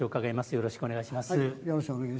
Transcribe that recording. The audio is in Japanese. よろしくお願いします。